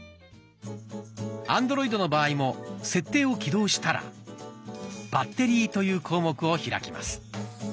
アンドロイドの場合も「設定」を起動したら「バッテリー」という項目を開きます。